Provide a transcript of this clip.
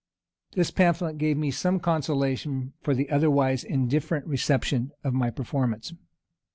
This pamphlet gave me some consolation for the otherwise indifferent reception of my performance.